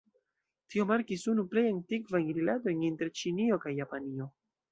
Tio markis unu plej antikvajn rilatojn inter Ĉinio kaj Japanio.